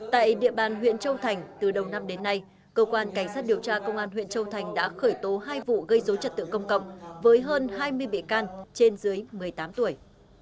tại địa bàn huyện châu thành từ đầu năm đến nay cơ quan cảnh sát điều tra công an huyện châu thành đã khởi tố hai vụ gây dối trật tự công cộng với hơn hai mươi bị can trên dưới một mươi tám tuổi